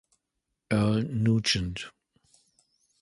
Earl Nugent.